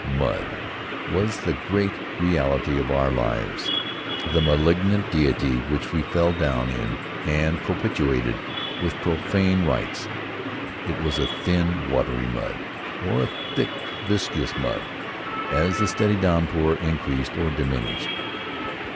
Mud was the great reality of our lives, the malignant deity which we fell down (in) and propitiated with profane rites. It was a thin, watery mud or a thick, viscous mud, as the steady downpour increased or diminished.